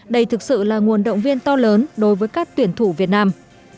đây thực sự là nguồn động viên to lớn đối với các tuyển thủ việt nam